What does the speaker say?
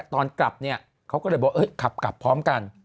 ตอนกลับเนี่ยเขาก็เลยบอกขับกลับพร้อมกัน